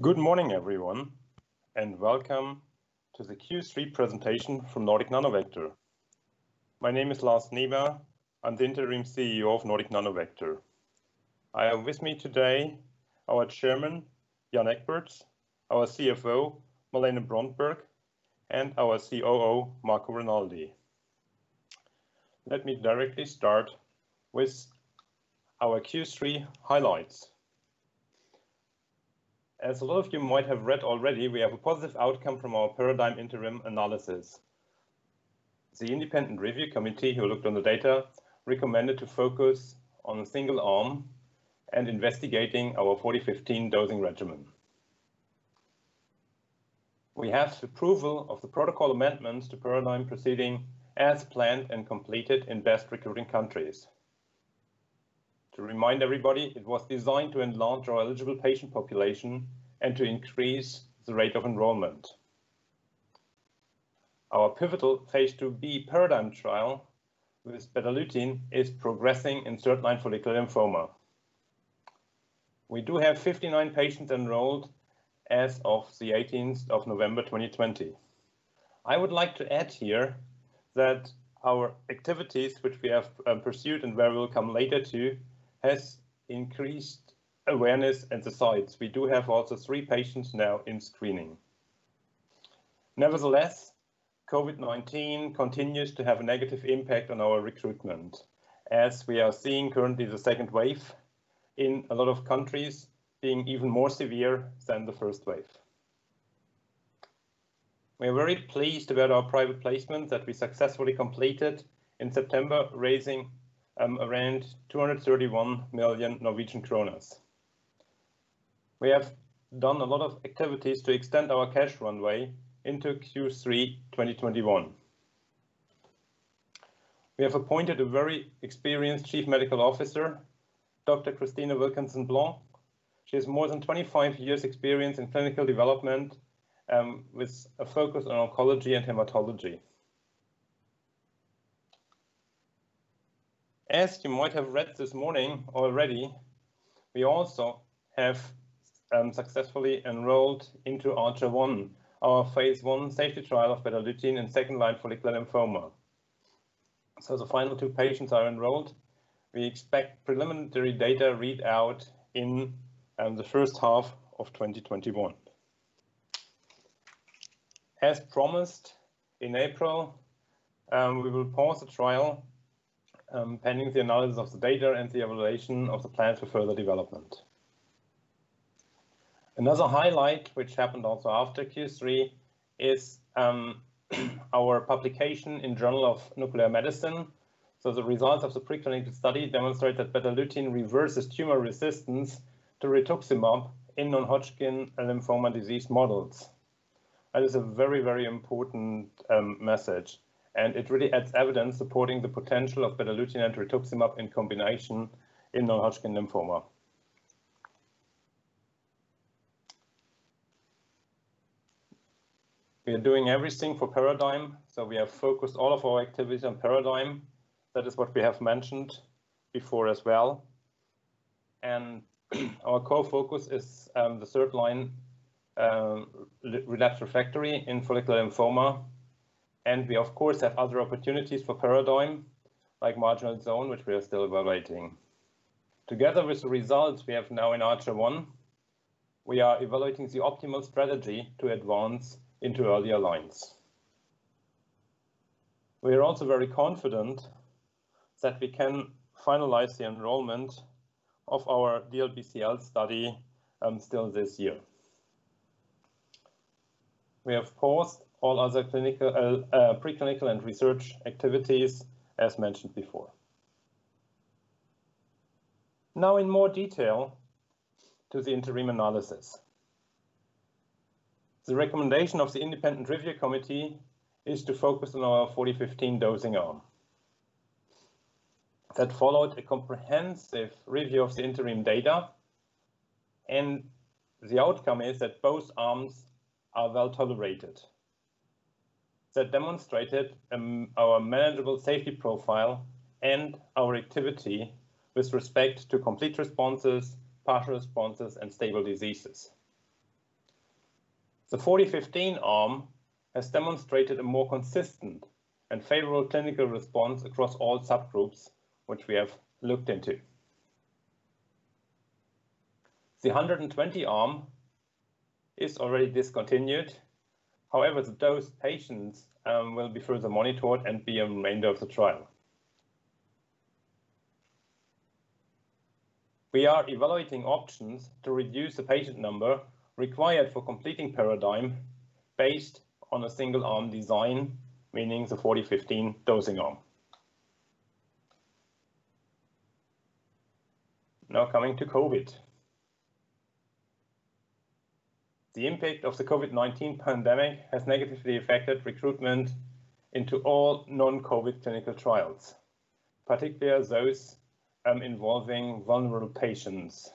Good morning, everyone, and welcome to the Q3 presentation from Nordic Nanovector. My name is Lars Nieba. I'm the interim CEO of Nordic Nanovector. I have with me today our Chairman, Jan Egberts; our CFO, Malene Brondberg; and our COO, Marco Renoldi. Let me directly start with our Q3 highlights. As a lot of you might have read already, we have a positive outcome from our PARADIGME interim analysis. The Independent Review Committee who looked on the data recommended to focus on a single arm and investigating our 40/15 dosing regimen. The approval of the protocol amendments to PARADIGME proceeding as planned and completed in best recruiting countries. To remind everybody, it was designed to enlarge our eligible patient population and to increase the rate of enrollment. Our pivotal phase II-B PARADIGME trial with Betalutin is progressing in third-line follicular lymphoma. We do have 59 patients enrolled as of the 18th of November 2020. I would like to add here that our activities which we have pursued and where we will come later to has increased awareness and the sites. We do have also three patients now in screening. Nevertheless, COVID-19 continues to have a negative impact on our recruitment, as we are seeing currently the second wave in a lot of countries being even more severe than the first wave. We are very pleased about our private placement that we successfully completed in September, raising around 231 million Norwegian kroner. We have done a lot of activities to extend our cash runway into Q3 2021. We have appointed a very experienced Chief Medical Officer, Dr. Christine Wilkinson Blanc. She has more than 25 years' experience in clinical development, with a focus on oncology and hematology. As you might have read this morning already, we also have successfully enrolled into Archer-1, our phase I safety trial of Betalutin in second-line follicular lymphoma. The final two patients are enrolled. We expect preliminary data readout in the first half of 2021. As promised in April, we will pause the trial, pending the analysis of the data and the evaluation of the plan for further development. Another highlight, which happened also after Q3, is our publication in The Journal of Nuclear Medicine. The results of the preclinical study demonstrate that Betalutin reverses tumor resistance to rituximab in non-Hodgkin lymphoma disease models. That is a very important message, and it really adds evidence supporting the potential of Betalutin and rituximab in combination in non-Hodgkin lymphoma. We are doing everything for PARADIGME; we have focused all of our activities on PARADIGME. That is what we have mentioned before as well. Our core focus is the third-line relapsed refractory in follicular lymphoma. We of course have other opportunities for PARADIGME like marginal zone, which we are still evaluating. Together with the results we have now in Archer-1, we are evaluating the optimal strategy to advance into earlier lines. We are also very confident that we can finalize the enrollment of our DLBCL study still this year. We have paused all other preclinical and research activities, as mentioned before. Now in more detail to the interim analysis. The recommendation of the Independent Review Committee is to focus on our 40/15 dosing arm. That followed a comprehensive review of the interim data, and the outcome is that both arms are well-tolerated. That demonstrated our manageable safety profile and our activity with respect to complete responses, partial responses, and stable diseases. The 40/15 arm has demonstrated a more consistent and favorable clinical response across all subgroups which we have looked into. The 100/20 arm is already discontinued. However, those patients will be further monitored and be a remainder of the trial. We are evaluating options to reduce the patient number required for completing PARADIGME based on a single-arm design, meaning the 40/15 dosing arm. Now coming to COVID. The impact of the COVID-19 pandemic has negatively affected recruitment into all non-COVID clinical trials, particularly those involving vulnerable patients.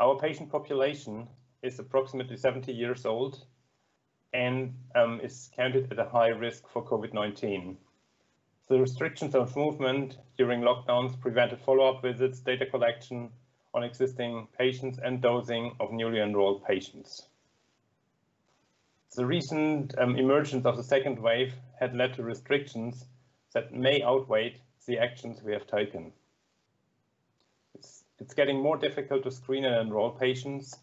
Our patient population is approximately 70 years old and is counted at a high risk for COVID-19. The restrictions of movement during lockdowns prevented follow-up visits, data collection on existing patients, and dosing of newly enrolled patients. The recent emergence of the second wave had led to restrictions that may outweigh the actions we have taken. It's getting more difficult to screen and enroll patients.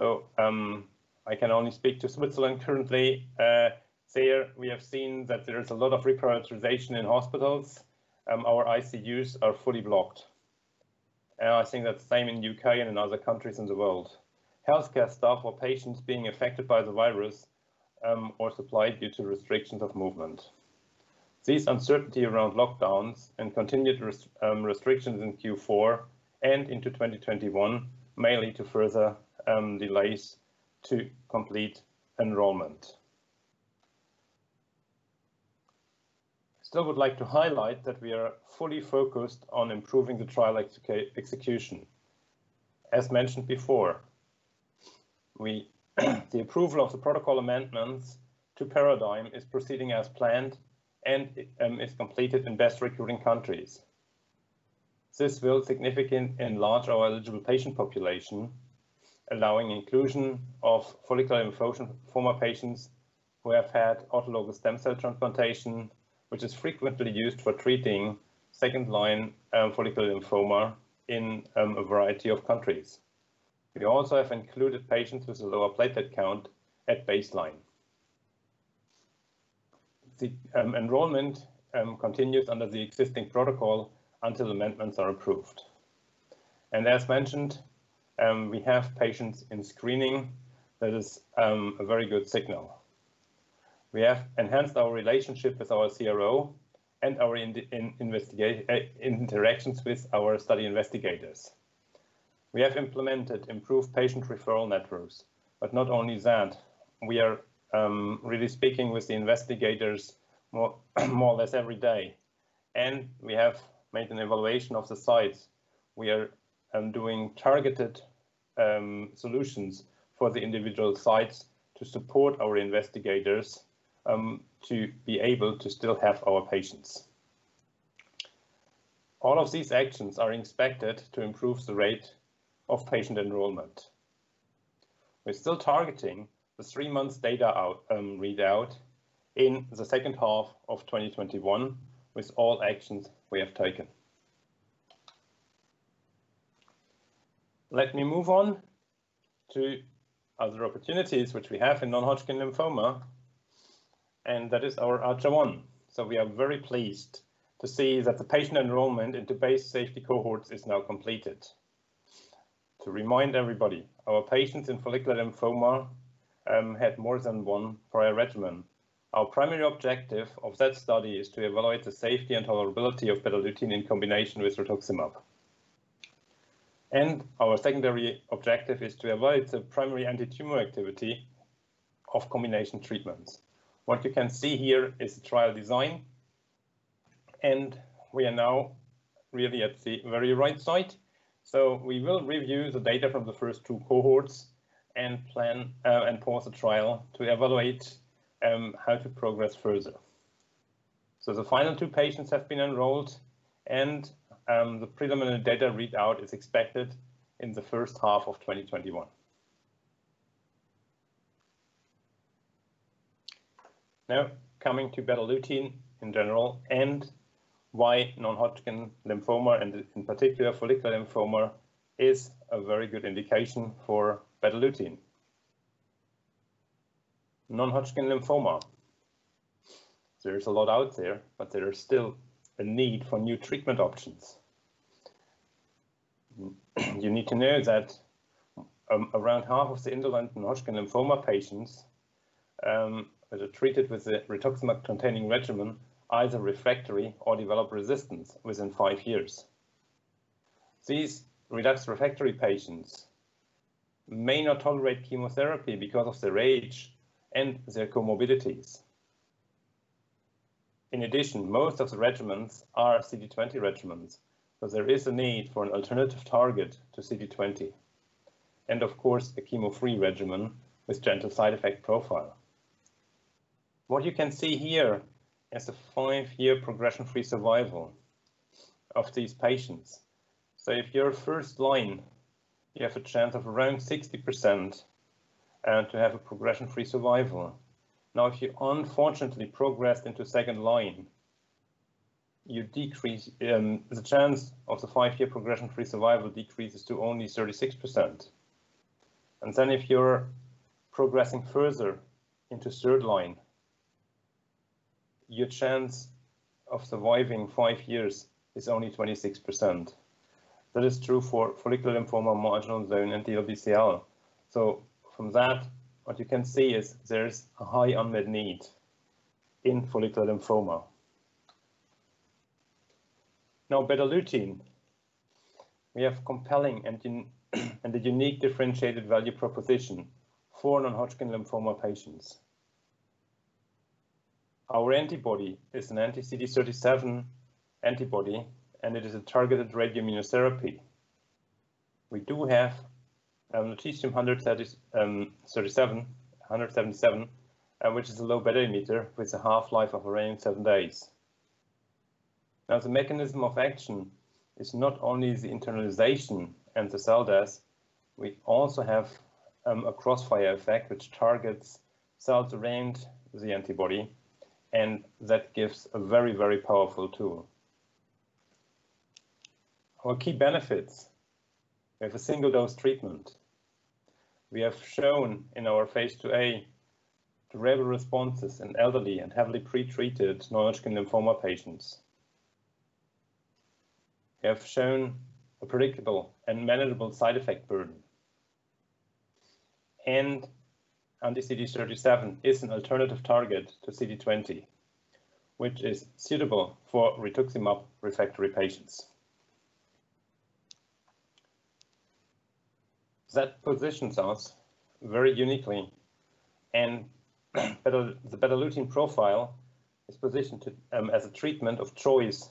I can only speak to Switzerland currently. There, we have seen that there is a lot of reprioritization in hospitals. Our ICUs are fully blocked. I think that's the same in U.K. and in other countries in the world. Healthcare staff or patients being affected by the virus, or supply due to restrictions of movement. This uncertainty around lockdowns and continued restrictions in Q4 and into 2021 may lead to further delays to complete enrollment. I still would like to highlight that we are fully focused on improving the trial execution. As mentioned before, the approval of the protocol amendments to PARADIGME is proceeding as planned and is completed in best recruiting countries. This will significantly enlarge our eligible patient population, allowing inclusion of follicular lymphoma patients who have had autologous stem cell transplantation, which is frequently used for treating second-line follicular lymphoma in a variety of countries. We also have included patients with a lower platelet count at baseline. The enrollment continues under the existing protocol until amendments are approved. As mentioned, we have patients in screening. That is a very good signal. We have enhanced our relationship with our CRO and our interactions with our study investigators. We have implemented improved patient referral networks. Not only that, we are really speaking with the investigators more or less every day. We have made an evaluation of the sites. We are doing targeted solutions for the individual sites to support our investigators to be able to still have our patients. All of these actions are expected to improve the rate of patient enrollment. We're still targeting the three-month data readout in the second half of 2021 with all actions we have taken. Let me move on to other opportunities which we have in non-Hodgkin lymphoma, and that is our Archer-1. We are very pleased to see that the patient enrollment in the base safety cohorts is now completed. To remind everybody, our patients in follicular lymphoma had more than one prior regimen. Our primary objective of that study is to evaluate the safety and tolerability of Betalutin in combination with rituximab. Our secondary objective is to evaluate the primary antitumor activity of combination treatments. What you can see here is the trial design, and we are now really at the very right side. We will review the data from the first two cohorts and pause the trial to evaluate how to progress further. The final two patients have been enrolled, and the preliminary data readout is expected in the first half of 2021. Coming to Betalutin in general and why non-Hodgkin lymphoma, and in particular follicular lymphoma, is a very good indication for Betalutin. Non-Hodgkin lymphoma. There is a lot out there, but there is still a need for new treatment options. You need to know that around half of the indolent non-Hodgkin lymphoma patients that are treated with a rituximab-containing regimen, either refractory or develop resistance within five years. These relapsed refractory patients may not tolerate chemotherapy because of their age and their comorbidities. In addition, most of the regimens are CD20 regimens, so there is a need for an alternative target to CD20. Of course, a chemo-free regimen with gentle side effect profile. What you can see here is the five-year progression-free survival of these patients. If you're a first-line, you have a chance of around 60% to have a progression-free survival. Now, if you unfortunately progressed into second-line, the chance of the five-year progression-free survival decreases to only 36%. Then if you're progressing further into third-line, your chance of surviving five years is only 26%. That is true for follicular lymphoma, marginal zone, and DLBCL. From that, what you can see is there is a high unmet need in follicular lymphoma. Betalutin. We have compelling and a unique differentiated value proposition for non-Hodgkin lymphoma patients. Our antibody is an anti-CD37 antibody, and it is a targeted radioimmunotherapy. We do have Lutetium-177, which is a low beta emitter with a half-life of around seven days. The mechanism of action is not only the internalization and the cell death, we also have a cross-fire effect, which targets cells around the antibody, that gives a very, very powerful tool. Our key benefits. We have a single-dose treatment. We have shown in our phase II-A durable responses in elderly and heavily pre-treated non-Hodgkin lymphoma patients. We have shown a predictable and manageable side effect burden. Anti-CD37 is an alternative target to CD20, which is suitable for rituximab-refractory patients. That positions us very uniquely. The Betalutin profile is positioned as a treatment of choice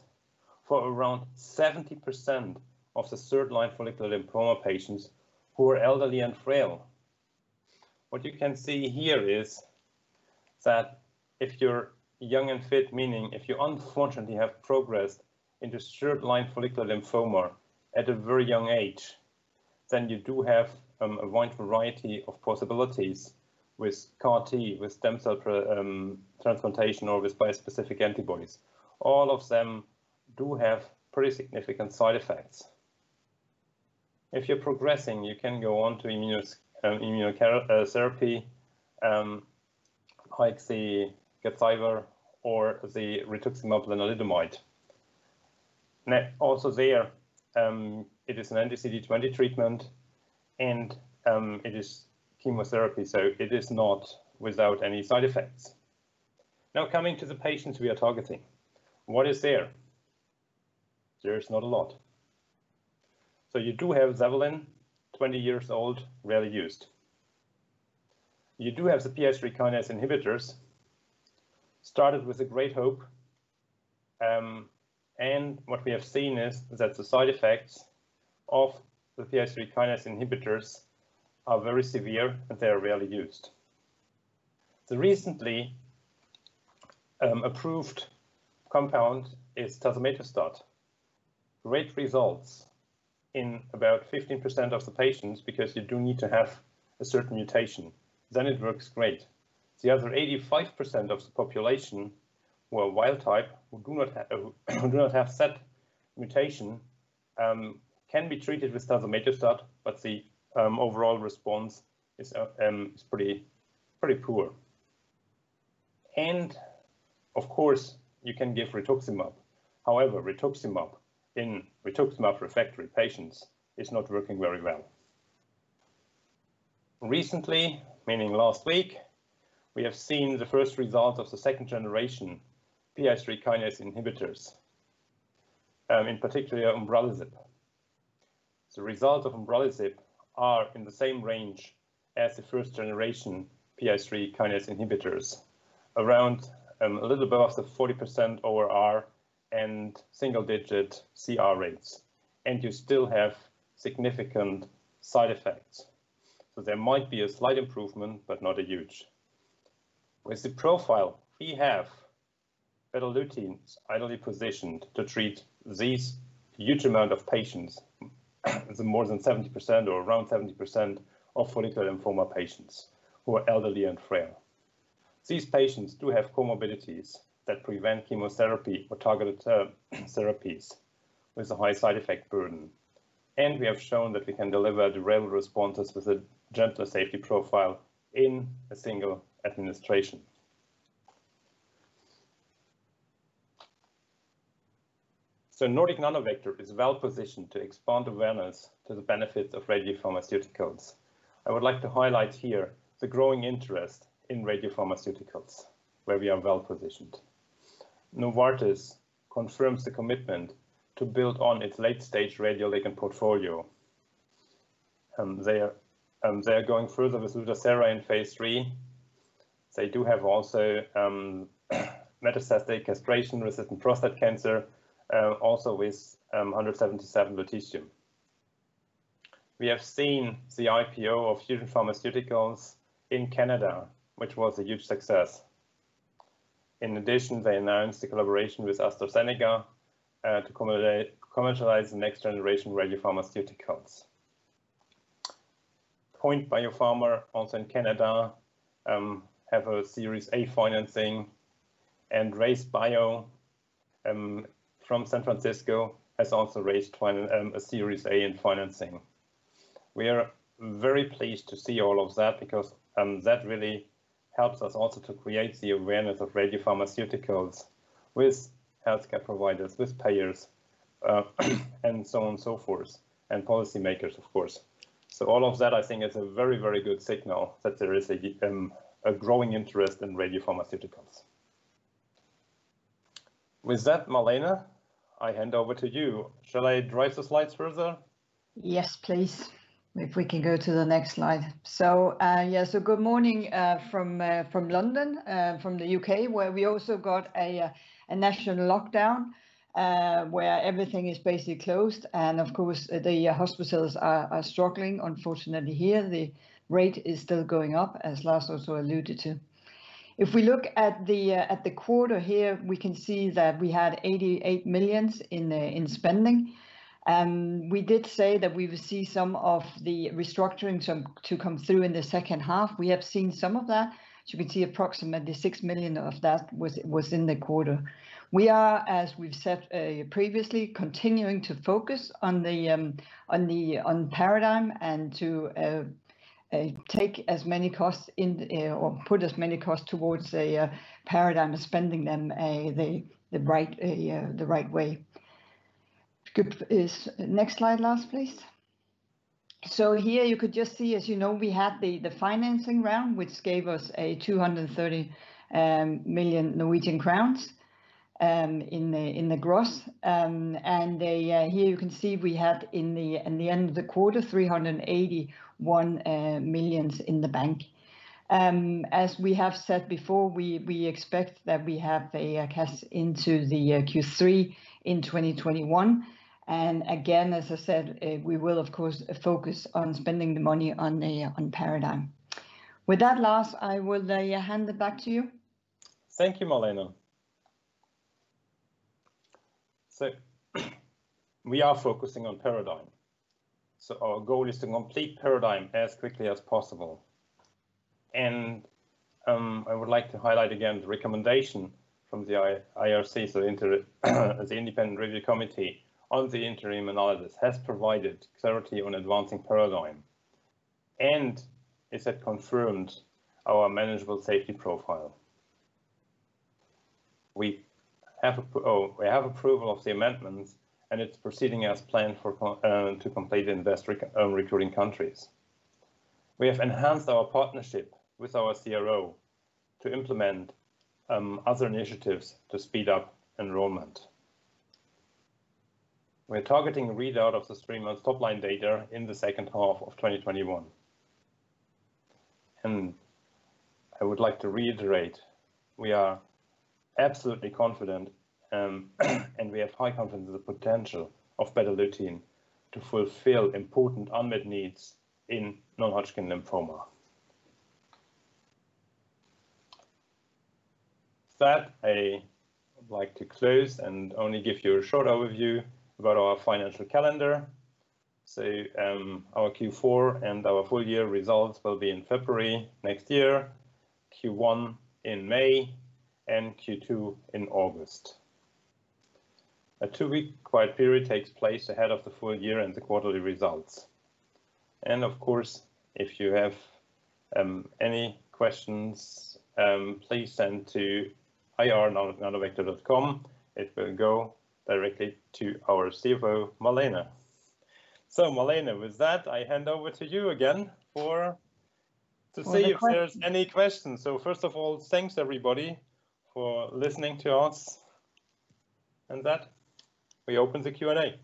for around 70% of the third-line follicular lymphoma patients who are elderly and frail. What you can see here is that if you're young and fit, meaning if you unfortunately have progressed into third-line follicular lymphoma at a very young age, then you do have a wide variety of possibilities with CAR T, with stem cell transplantation, or with bispecific antibodies. All of them do have pretty significant side effects. If you're progressing, you can go on to immunotherapy, like the Gazyva or the rituximab lenalidomide. Also there, it is an anti-CD20 treatment and it is chemotherapy, so it is not without any side effects. Now, coming to the patients we are targeting. What is there? There is not a lot. You do have Zevalin, 20 years old, rarely used. You do have the PI3K inhibitors, started with a great hope, and what we have seen is that the side effects of the PI3K inhibitors are very severe, and they are rarely used. The recently approved compound is tazemetostat. Great results in about 15% of the patients, because you do need to have a certain mutation, then it works great. The other 85% of the population who are wild type, who do not have said mutation, can be treated with tazemetostat, but the overall response is pretty poor. Of course, you can give rituximab. However, rituximab in rituximab-refractory patients is not working very well. Recently, meaning last week, we have seen the first result of the second generation PI3K inhibitors, in particular umbralisib. The result of umbralisib are in the same range as the first generation PI3K inhibitors. A little above the 40% ORR and single-digit CR rates, you still have significant side effects. There might be a slight improvement, but not a huge. With the profile we have, Betalutin is ideally positioned to treat these huge amount of patients, the more than 70% or around 70% of follicular lymphoma patients who are elderly and frail. These patients do have comorbidities that prevent chemotherapy or targeted therapies with a high side effect burden. We have shown that we can deliver durable responses with a gentle safety profile in a single administration. Nordic Nanovector is well positioned to expand awareness to the benefits of radiopharmaceuticals. I would like to highlight here the growing interest in radiopharmaceuticals, where we are well-positioned. Novartis confirms the commitment to build on its late-stage radioligand portfolio. They are going further with Lutathera in phase III. They do have also metastatic castration-resistant prostate cancer, also with 177 Lutetium. We have seen the IPO of Fusion Pharmaceuticals in Canada, which was a huge success. In addition, they announced a collaboration with AstraZeneca to commercialize next-generation radiopharmaceuticals. POINT Biopharma, also in Canada, have a Series A financing, and RayzeBio from San Francisco has also raised a Series A in financing. We are very pleased to see all of that because that really helps us also to create the awareness of radiopharmaceuticals with healthcare providers, with payers, and so on and so forth, and policymakers of course. All of that I think is a very, very good signal that there is a growing interest in radiopharmaceuticals. With that, Malene, I hand over to you. Shall I drive the slides further? Yes, please. If we can go to the next slide. Good morning from London, from the U.K., where we also got a national lockdown, where everything is basically closed and of course, the hospitals are struggling. Unfortunately here, the rate is still going up, as Lars also alluded to. If we look at the quarter here, we can see that we had 88 million in spending. We did say that we will see some of the restructuring to come through in the second half. We have seen some of that. As you can see, approximately 6 million of that was in the quarter. We are, as we've said previously, continuing to focus on PARADIGME and to put as many costs towards PARADIGME and spending them the right way. Next slide, Lars, please. Here you could just see, as you know, we had the financing round, which gave us 230 million Norwegian crowns in the gross. Here you can see we had in the end of the quarter 381 million in the bank. As we have said before, we expect that we have the cash into the Q3 in 2021. Again, as I said, we will of course focus on spending the money on PARADIGME. With that, Lars, I will hand it back to you. Thank you, Malene. We are focusing on PARADIGME. Our goal is to complete PARADIGME as quickly as possible. I would like to highlight again the recommendation from the IRC, the Independent Review Committee on the interim analysis has provided clarity on advancing PARADIGME and has confirmed our manageable safety profile. We have approval of the amendments and it's proceeding as planned to complete in best recruiting countries. We have enhanced our partnership with our CRO to implement other initiatives to speed up enrollment. We're targeting readout of the [three-month] top line data in the second half of 2021. I would like to reiterate, we are absolutely confident, and we have high confidence in the potential of Betalutin to fulfill important unmet needs in non-Hodgkin lymphoma. With that, I would like to close and only give you a short overview about our financial calendar. Our Q4 and our full-year results will be in February next year, Q1 in May, and Q2 in August. A two-week quiet period takes place ahead of the full year and the quarterly results. Of course, if you have any questions, please send to ir@nordicnanovector.com. It will go directly to our CFO, Malene. Malene, with that, I hand over to you again to see if there's any questions. First of all, thanks everybody for listening to us. With that, we open the Q&A.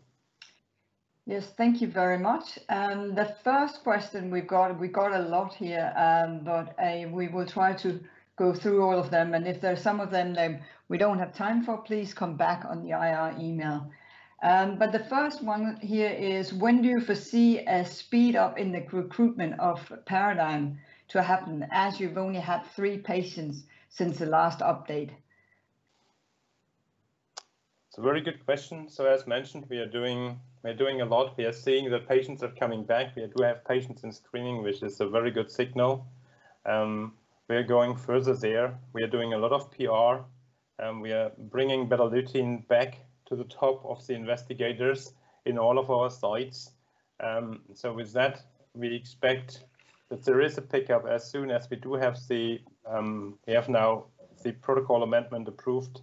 Yes. Thank you very much. The first question we got, we got a lot here, but we will try to go through all of them. If there's some of them that we don't have time for, please come back on the IR email. The first one here is, when do you foresee a speed-up in the recruitment of PARADIGME to happen, as you've only had three patients since the last update? It's a very good question. As mentioned, we are doing a lot. We are seeing the patients are coming back. We do have patients in screening, which is a very good signal. We are going further there. We are doing a lot of PR and we are bringing Betalutin back to the top of the investigators in all of our sites. With that, we expect that there is a pickup as soon as we do have now the protocol amendment approved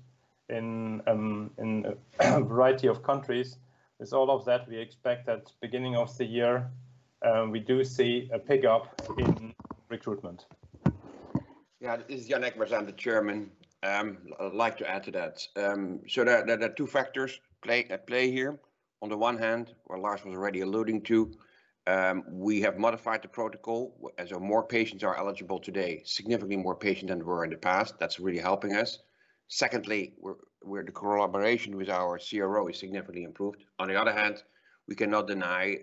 in a variety of countries. With all of that, we expect that beginning of the year we do see a pickup in recruitment. This is Jan Egberts, I'm the Chairman. I'd like to add to that. There are two factors at play here. On the one hand, where Lars was already alluding to, we have modified the protocol as more patients are eligible today, significantly more patients than were in the past. That's really helping us. Secondly, the collaboration with our CRO is significantly improved. On the other hand, we cannot deny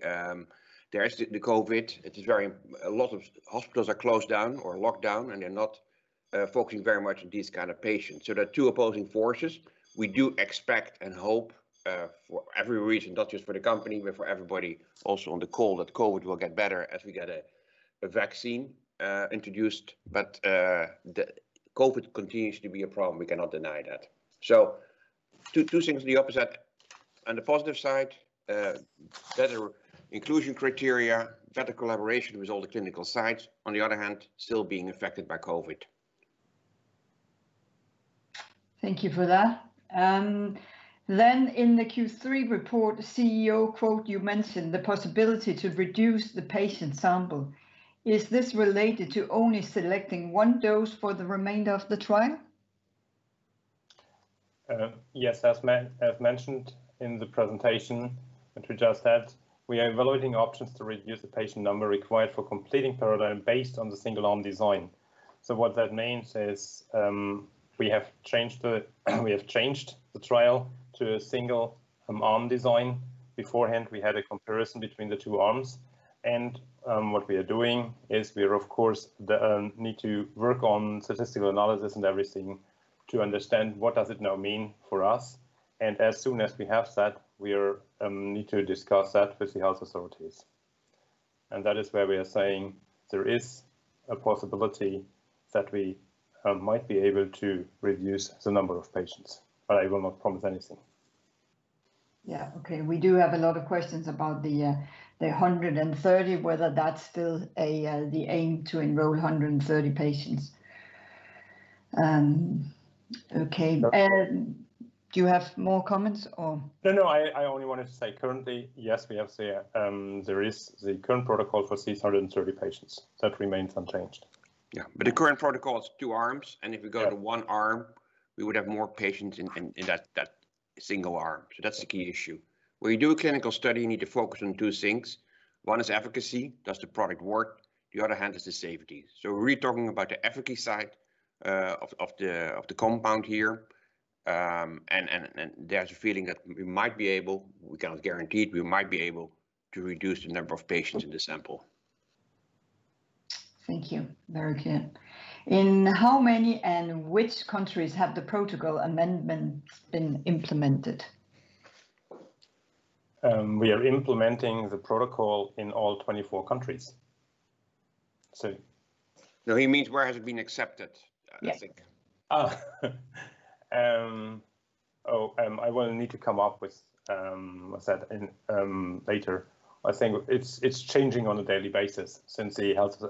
there is the COVID. A lot of hospitals are closed down or locked down, they're not focusing very much on these kind of patients. There are two opposing forces. We do expect and hope for every reason, not just for the company, but for everybody also on the call that COVID will get better as we get a vaccine introduced. COVID continues to be a problem, we cannot deny that. Two things, the opposite. On the positive side, better inclusion criteria, better collaboration with all the clinical sites. On the other hand, still being affected by COVID. Thank you for that. In the Q3 report, CEO quote, you mentioned the possibility to reduce the patient sample. Is this related to only selecting one dose for the remainder of the trial? Yes, as mentioned in the presentation which we just had, we are evaluating options to reduce the patient number required for completing PARADIGME based on the single arm design. What that means is we have changed the trial to a single arm design. Beforehand, we had a comparison between the two arms. What we are doing is we, of course, need to work on statistical analysis and everything to understand what does it now mean for us. As soon as we have that, we need to discuss that with the health authorities. That is where we are saying there is a possibility that we might be able to reduce the number of patients, but I will not promise anything. Yeah. Okay. We do have a lot of questions about the 130, whether that's still the aim to enroll 130 patients. Okay. Do you have more comments? No, I only wanted to say currently, yes, there is the current protocol for 130 patients. That remains unchanged. Yeah. The current protocol is two arms, and if we go to one arm, we would have more patients in that single arm. That's the key issue. When you do a clinical study, you need to focus on two things. One is efficacy, does the product work? The other hand is the safety. We're really talking about the efficacy side of the compound here. There's a feeling that we cannot guarantee it, we might be able to reduce the number of patients in the sample. Thank you. Very clear. In how many and which countries have the protocol amendments been implemented? We are implementing the protocol in all 24 countries. No, he means where has it been accepted, I think. Yes. I will need to come up with that later. I think it's changing on a daily basis since the health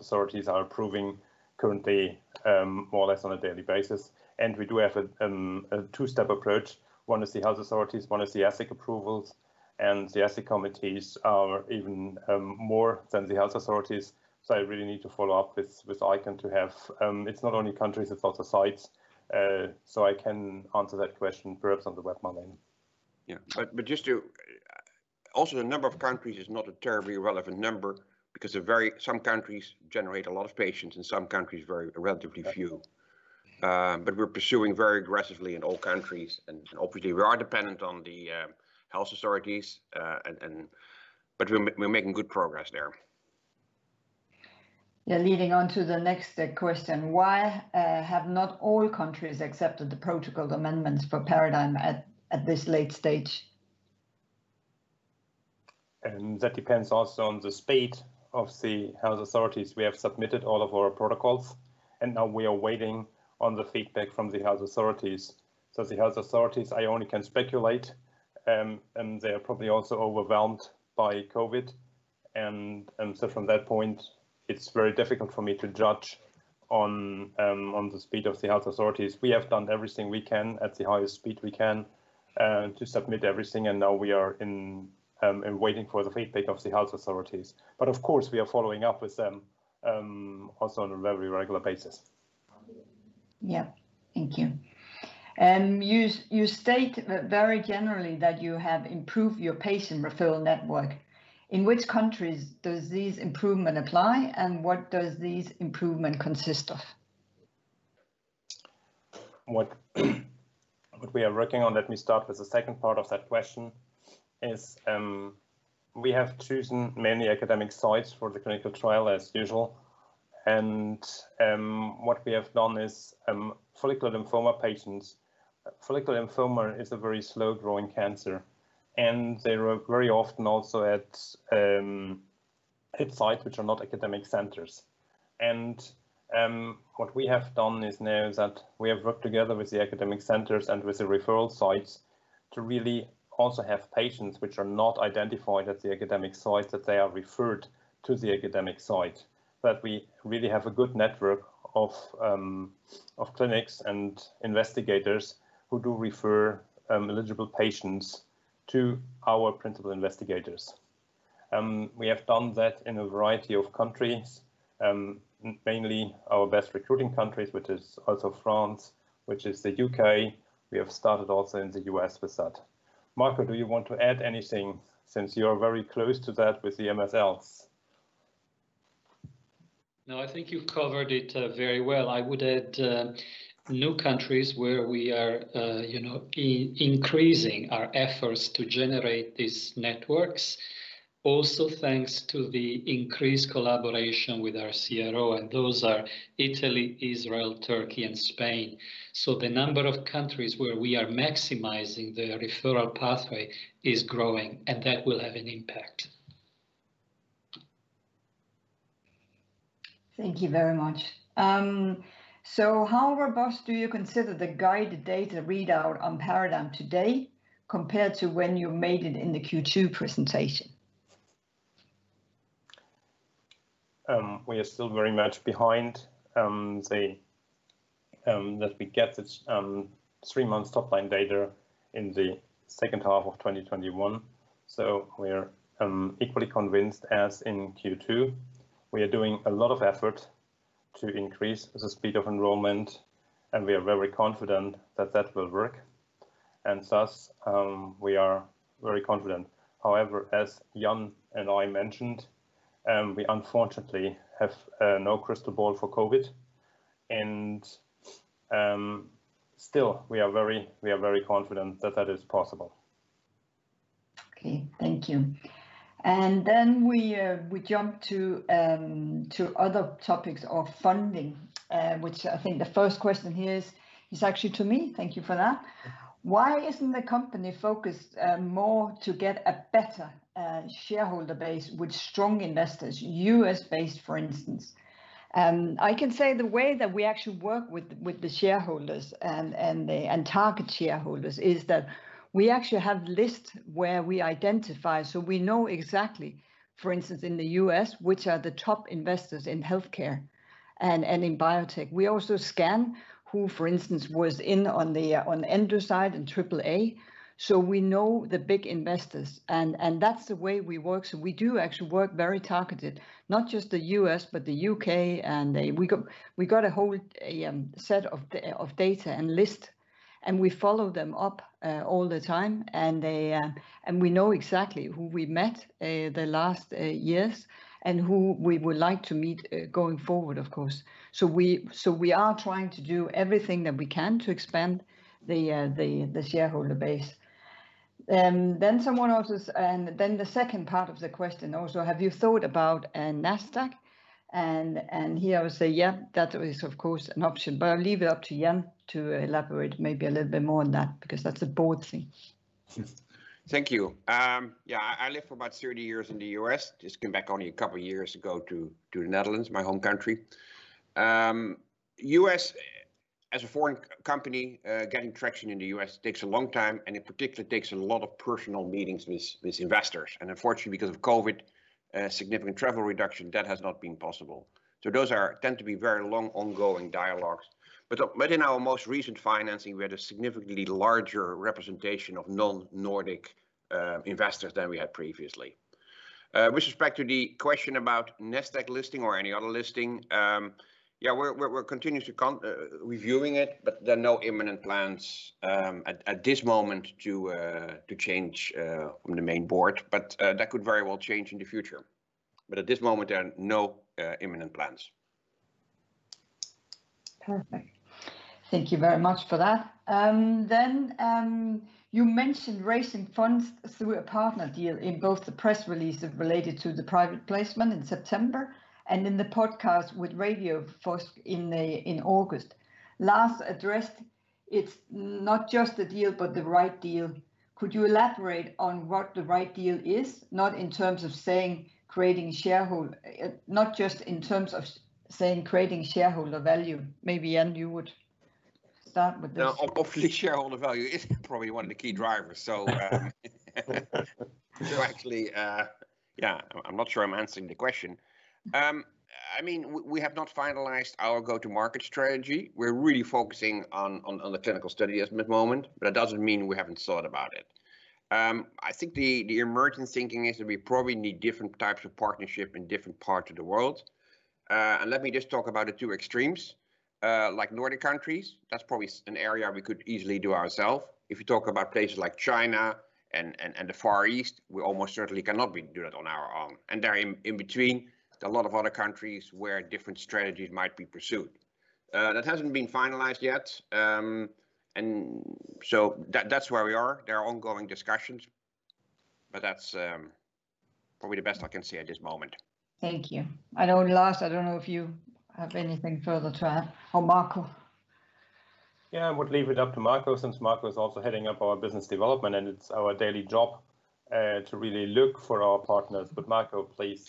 authorities are approving currently more or less on a daily basis. We do have a two-step approach. One is the health authorities, one is the ethic approvals. The ethic committees are even more than the health authorities, so I really need to follow up with ICON to have It's not only countries, it's also sites. I can answer that question perhaps on the webinar following. Also, the number of countries is not a terribly relevant number because some countries generate a lot of patients and some countries very relatively few. We're pursuing very aggressively in all countries, and obviously we are dependent on the health authorities. We're making good progress there. Yeah. Leading on to the next question, why have not all countries accepted the protocol amendments for PARADIGME at this late stage? That depends also on the speed of the health authorities. We have submitted all of our protocols, now we are waiting on the feedback from the health authorities. The health authorities, I only can speculate. They are probably also overwhelmed by COVID-19. From that point, it's very difficult for me to judge on the speed of the health authorities. We have done everything we can at the highest speed we can to submit everything, now we are waiting for the feedback of the health authorities. Of course, we are following up with them also on a very regular basis. Yeah. Thank you. You state very generally that you have improved your patient referral network. In which countries does this improvement apply, and what does this improvement consist of? What we are working on, let me start with the second part of that question, is we have chosen many academic sites for the clinical trial as usual. What we have done is, follicular lymphoma patients, follicular lymphoma is a very slow-growing cancer, and they are very often also at sites which are not academic centers. What we have done is now that we have worked together with the academic centers and with the referral sites to really also have patients which are not identified at the academic site, that they are referred to the academic site. That we really have a good network of clinics and investigators who do refer eligible patients to our principal investigators. We have done that in a variety of countries. Mainly our best recruiting countries, which is also France, which is the U.K. We have started also in the U.S. with that. Marco, do you want to add anything since you are very close to that with the MSLs? No, I think you covered it very well. I would add new countries where we are increasing our efforts to generate these networks. Also, thanks to the increased collaboration with our CRO. Those are Italy, Israel, Turkey and Spain. The number of countries where we are maximizing the referral pathway is growing, and that will have an impact. Thank you very much. How robust do you consider the guided data readout on PARADIGME today compared to when you made it in the Q2 presentation? We are still very much behind that we get the three-months top-line data in the second half of 2021. We're equally convinced as in Q2. We are doing a lot of effort to increase the speed of enrollment, and we are very confident that that will work. Thus, we are very confident. However, as Jan and I mentioned, we unfortunately have no crystal ball for COVID. Still, we are very confident that that is possible. Okay. Thank you. Then we jump to other topics of funding, which I think the first question here is actually to me. Thank you for that. Why isn't the company focused more to get a better shareholder base with strong investors, U.S.-based, for instance? I can say the way that we actually work with the shareholders and target shareholders is that we actually have lists where we identify, so we know exactly, for instance, in the U.S., which are the top investors in healthcare and in biotech. We also scan who, for instance, was in on the Endocyte and AAA. We know the big investors, and that's the way we work. We do actually work very targeted, not just the U.S., but the U.K., and we got a whole set of data and list, and we follow them up all the time. We know exactly who we met the last years and who we would like to meet going forward, of course. We are trying to do everything that we can to expand the shareholder base. The second part of the question also, have you thought about Nasdaq? Here I would say, yeah, that is, of course, an option. I'll leave it up to Jan to elaborate maybe a little bit more on that because that's a Board thing. Thank you. Yeah, I lived for about 30 years in the U.S., just came back only a couple of years ago to the Netherlands, my home country. U.S. as a foreign company, getting traction in the U.S. takes a long time, in particular, it takes a lot of personal meetings with investors. Unfortunately, because of COVID-19, significant travel reduction, that has not been possible. Those tend to be very long, ongoing dialogues. In our most recent financing, we had a significantly larger representation of non-Nordic investors than we had previously. With respect to the question about Nasdaq listing or any other listing, yeah, we're continuously reviewing it, there are no imminent plans at this moment to change from the main Board, that could very well change in the future. At this moment, there are no imminent plans. Perfect. Thank you very much for that. You mentioned raising funds through a partner deal in both the press release related to the private placement in September and in the podcast with [Radium folks] in August. Lars addressed it's not just the deal, but the right deal. Could you elaborate on what the right deal is? Not just in terms of, saying, creating shareholder value. Maybe, Jan, you would start with this. No, obviously, shareholder value is probably one of the key drivers, so actually, yeah, I'm not sure I'm answering the question. We have not finalized our go-to-market strategy. We're really focusing on the clinical study at this moment, but it doesn't mean we haven't thought about it. I think the emergent thinking is that we probably need different types of partnership in different parts of the world. Let me just talk about the two extremes, like Nordic countries, that's probably an area we could easily do ourself. If you talk about places like China and the Far East, we almost certainly cannot do that on our own. There in between, there are a lot of other countries where different strategies might be pursued. That hasn't been finalized yet, that's where we are. There are ongoing discussions, but that's probably the best I can say at this moment. Thank you. You know, Lars, I don't know if you have anything further to add, or Marco. Yeah, I would leave it up to Marco since Marco is also heading up our business development, and it's our daily job to really look for our partners. Marco, please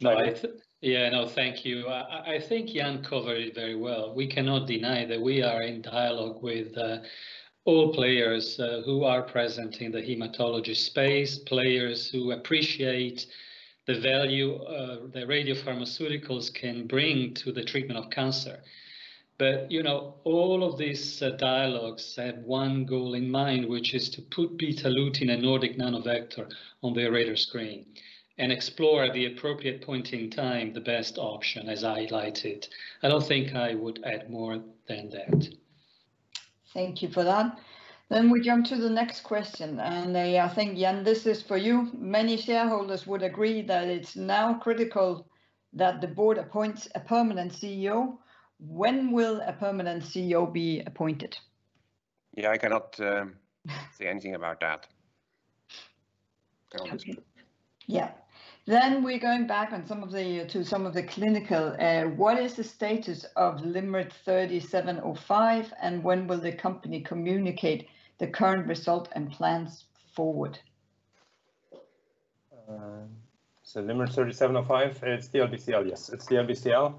join in. Yeah, no, thank you. I think Jan covered it very well. We cannot deny that we are in dialogue with all players who are present in the hematology space, players who appreciate the value that radiopharmaceuticals can bring to the treatment of cancer. All of these dialogues had one goal in mind, which is to put Betalutin and Nordic Nanovector on their radar screen and explore the appropriate point in time the best option, as highlighted. I don't think I would add more than that. Thank you for that. We jump to the next question, and I think, Jan, this is for you. Many shareholders would agree that it's now critical that the Board appoints a permanent CEO. When will a permanent CEO be appointed? Yeah, I cannot say anything about that. Okay. Yeah. We're going back to some of the clinical. What is the status of LYMRIT 37-05, and when will the company communicate the current result and plans forward? LYMRIT 37-05, it's the LBCL, yes. It's the LBCL.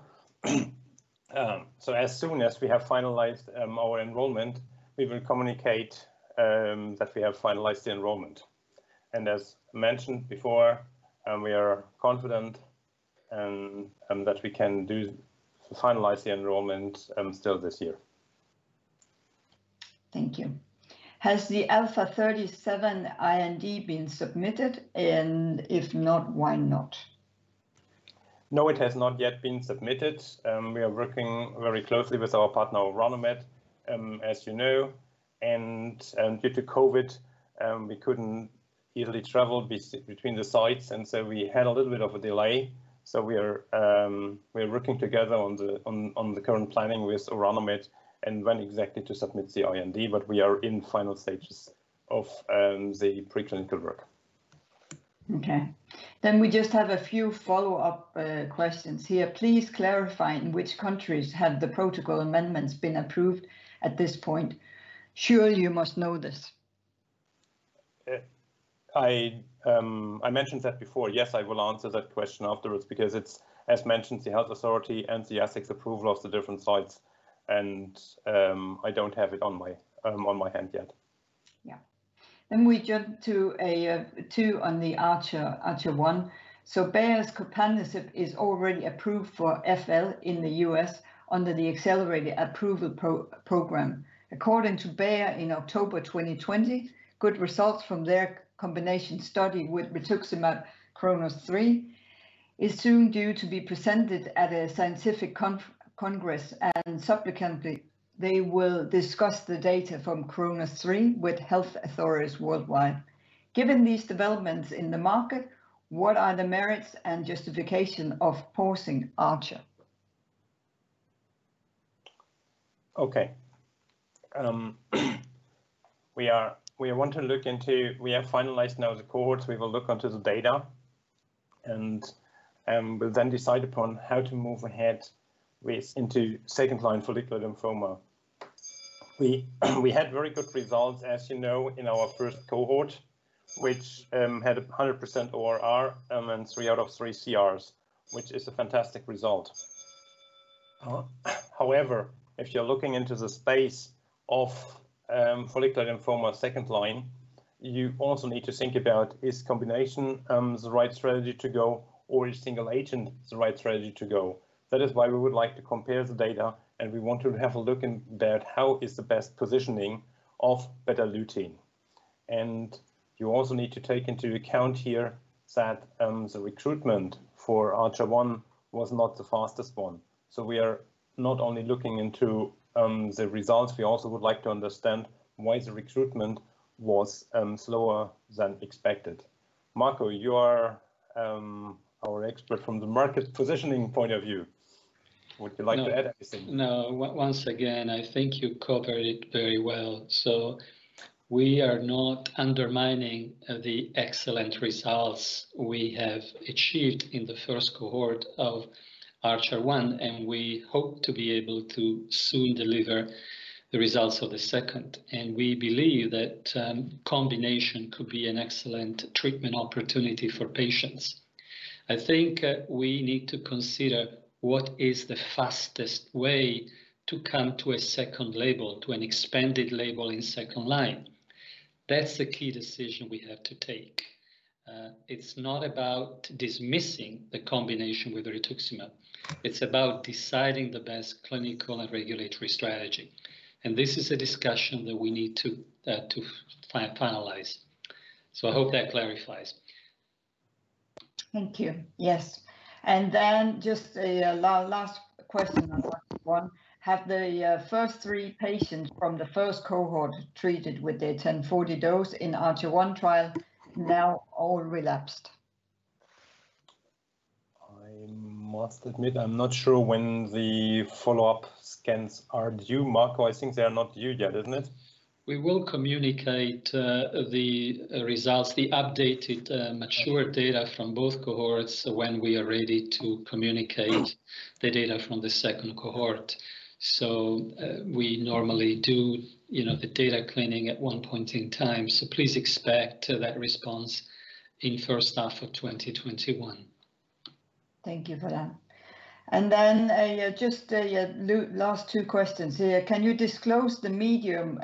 As soon as we have finalized our enrollment, we will communicate that we have finalized the enrollment. As mentioned before, we are confident that we can finalize the enrollment still this year. Thank you. Has the Alpha37 IND been submitted? If not, why not? No, it has not yet been submitted. We are working very closely with our partner Orano Med, as you know, and due to COVID, we couldn't easily travel between the sites and so we had a little bit of a delay. We are working together on the current planning with Orano Med and when exactly to submit the IND, but we are in final stages of the preclinical work. Okay. We just have a few follow-up questions here. Please clarify in which countries have the protocol amendments been approved at this point. Surely you must know this. I mentioned that before. Yes, I will answer that question afterwards because it's, as mentioned, the health authority and the ethics approval of the different sites, and I don't have it on my hand yet. Yeah. We jump to two on the Archer-1. Bayer's copanlisib is already approved for FL in the U.S. under the accelerated approval program. According to Bayer in October 2020, good results from their combination study with rituximab CHRONOS-3 is soon due to be presented at a scientific congress, and subsequently they will discuss the data from CHRONOS-3 with health authorities worldwide. Given these developments in the market, what are the merits and justification of pausing Archer? Okay. We have finalized now the cohorts. We will look into the data and we'll then decide upon how to move ahead into second-line follicular lymphoma. We had very good results, as you know, in our first cohort, which had 100% ORR and then three out of three CRs, which is a fantastic result. However, if you're looking into the space of follicular lymphoma second line, you also need to think about is combination the right strategy to go, or is single agent the right strategy to go? That is why we would like to compare the data and we want to have a look in that how is the best positioning of Betalutin. You also need to take into account here that the recruitment for Archer-1 was not the fastest one. We are not only looking into the results, we also would like to understand why the recruitment was slower than expected. Marco, you are our expert from the market positioning point of view. Would you like to add anything? No. Once again, I think you covered it very well. We are not undermining the excellent results we have achieved in the first cohort of Archer-1, and we hope to be able to soon deliver the results of the second. We believe that combination could be an excellent treatment opportunity for patients. I think we need to consider what is the fastest way to come to a second label, to an expanded label in second line. That's the key decision we have to take. It's not about dismissing the combination with rituximab. It's about deciding the best clinical and regulatory strategy. This is a discussion that we need to finalize. I hope that clarifies. Thank you. Yes. Just a last question on Archer-1. Have the first three patients from the first cohort treated with the 10/40 dose in Archer-1 trial now all relapsed? I must admit, I'm not sure when the follow-up scans are due. Marco, I think they are not due yet, isn't it? We will communicate the results, the updated, mature data from both cohorts when we are ready to communicate the data from the second cohort. We normally do the data cleaning at one point in time. Please expect that response in first half of 2021. Thank you for that. Just a last two questions here. Can you disclose the medium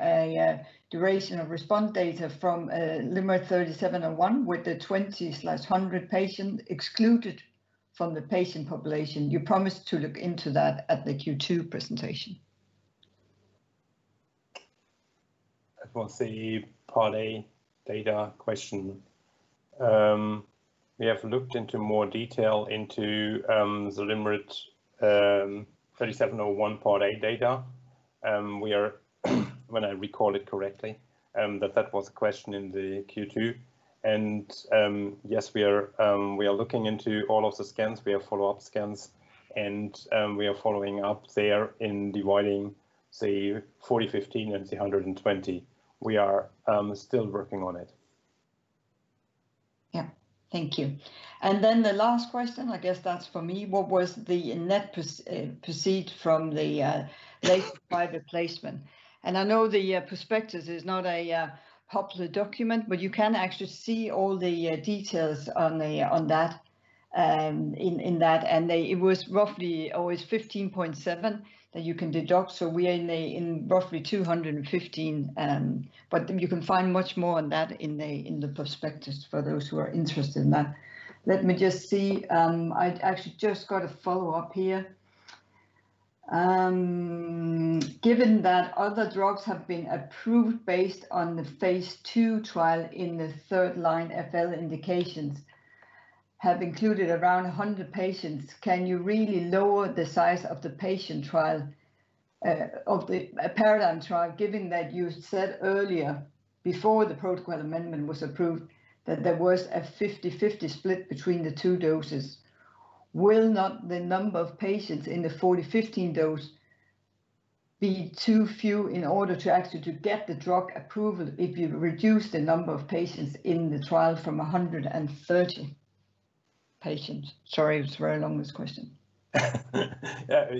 duration of response data from LYMRIT 37-01 with the 20/100 patient excluded from the patient population? You promised to look into that at the Q2 presentation. That was the Part A data question. We have looked into more detail into the LYMRIT 37-01 Part A data. When I recall it correctly, that was a question in the Q2. Yes, we are looking into all of the scans. We have follow-up scans. We are following up there in dividing, say, 40/15 and the 100/20. We are still working on it. Yeah. Thank you. The last question, I guess that's for me. What was the net proceed from the late private placement? I know the prospectus is not a popular document, you can actually see all the details in that. It was roughly always 15.7 that you can deduct. We are in roughly 215. You can find much more on that in the prospectus for those who are interested in that. Let me just see. I actually just got a follow-up here. Given that other drugs have been approved based on the phase II trial in the third-line FL indications have included around 100 patients, can you really lower the size of the patient trial of the PARADIGME trial, given that you said earlier, before the protocol amendment was approved, that there was a 50/50 split between the two doses? Will not the number of patients in the 40/15 dose be too few in order to actually to get the drug approval if you reduce the number of patients in the trial from 130 patients? Sorry, it was very long, this question.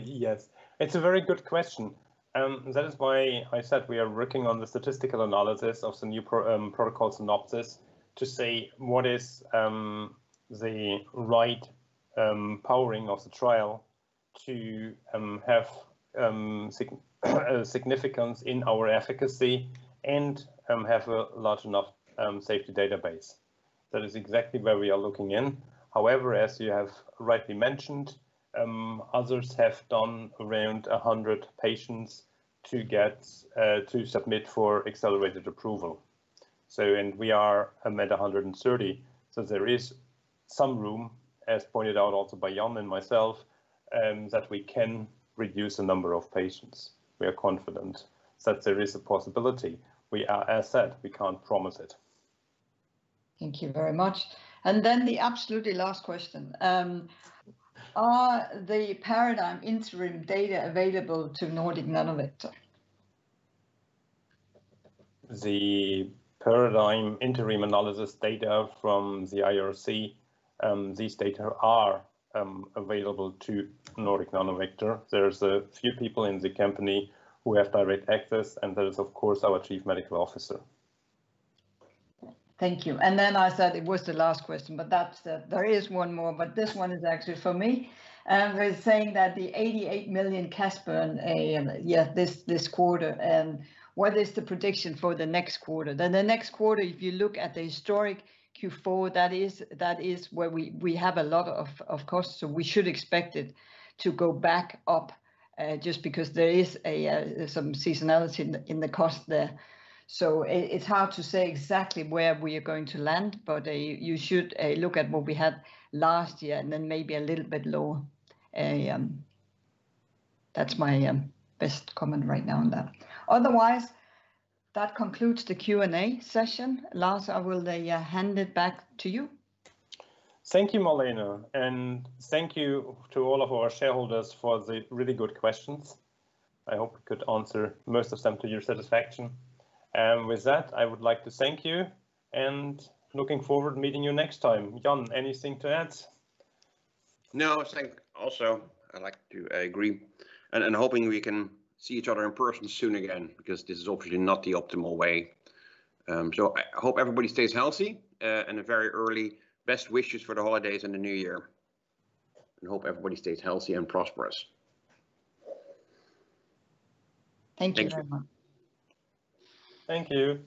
Yes. It's a very good question. That is why I said we are working on the statistical analysis of the new protocol synopsis to say what is the right powering of the trial to have significance in our efficacy and have a large enough safety database. That is exactly where we are looking in. However, as you have rightly mentioned, others have done around 100 patients to submit for accelerated approval. We are at 130. There is some room, as pointed out also by Jan and myself, that we can reduce the number of patients. We are confident that there is a possibility. As said, we can't promise it. Thank you very much. The absolutely last question. Are the PARADIGME interim data available to Nordic Nanovector? The PARADIGME interim analysis data from the IRC, these data are available to Nordic Nanovector. There's a few people in the company who have direct access, and there is, of course, our Chief Medical Officer. Thank you. I said it was the last question, but there is one more, but this one is actually for me. We're saying that the 88 million cash burn this quarter, what is the prediction for the next quarter? The next quarter, if you look at the historic Q4, that is where we have a lot of costs, so we should expect it to go back up, just because there is some seasonality in the cost there. It's hard to say exactly where we are going to land, but you should look at what we had last year and then maybe a little bit lower. That's my best comment right now on that. Otherwise, that concludes the Q&A session. Lars, I will hand it back to you. Thank you, Malene, and thank you to all of our shareholders for the really good questions. I hope we could answer most of them to your satisfaction. With that, I would like to thank you and looking forward meeting you next time. Jan, anything to add? No, thank also. I'd like to agree and hoping we can see each other in person soon again, because this is obviously not the optimal way. I hope everybody stays healthy, and a very early best wishes for the holidays and the new year. I hope everybody stays healthy and prosperous. Thank you very much. Thank you.